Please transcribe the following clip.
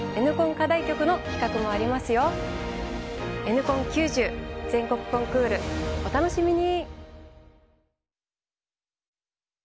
Ｎコン９０！全国コンクールお楽しみに！